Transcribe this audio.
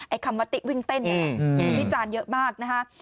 ไอ้คำวติวิ่งเต้นแหละมีวิจารณ์เยอะมากนะคะ